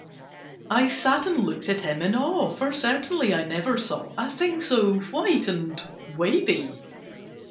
I sat and looked at him in awe, For certainly I never saw A thing so white and wavy.